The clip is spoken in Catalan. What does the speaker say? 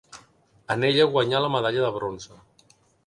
En ella guanyà la medalla de bronze.